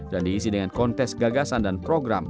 diisi dengan kontes gagasan dan program